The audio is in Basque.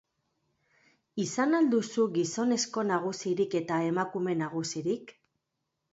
Izan al duzu gizonezko nagusirik eta emakume nagusirik?